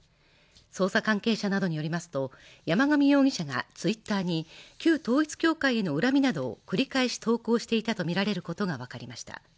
捜査関係者などによりますと山上容疑者がＴｗｉｔｔｅｒに旧統一教会への恨みなどを繰り返し投稿していたとみられることが分かりました。